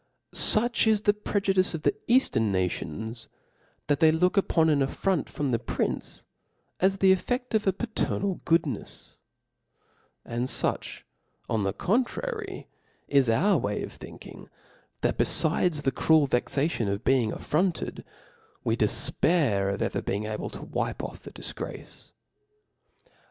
Such is the prejudice of the eaftern nationii^ that they look upon an affront froftti the prince, as th6 effe<a of paternal goodnefs'j and fuch on the con trary is our way of thinking, that befides the' cruel vexation of being affronted^ we defpair of ever be ing able to wipe off the difgrace.